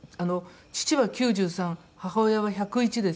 父は９３母親は１０１です。